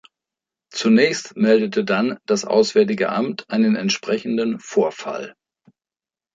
Zunächst meldete dann das Auswärtige Amt einen entsprechenden Vorfall.